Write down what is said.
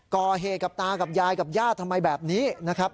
ก่อเหตุกับตากับยายกับญาติทำไมแบบนี้นะครับ